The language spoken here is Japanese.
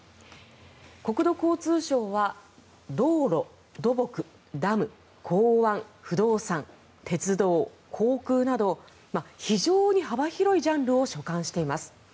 国土交通省は道路、土木、ダム、港湾不動産、鉄道、航空など非常に幅広いジャンルを所管しています。